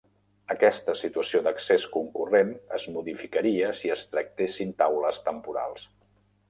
Aquesta situació d'accés concurrent es modificaria si es tractessin taules temporals.